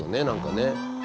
何かね。